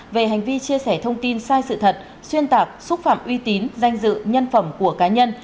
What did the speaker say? về hành vi chia sẻ thông tin sai sự thật xuyên tạc xúc phạm uy tín danh dự nhân phẩm của cá nhân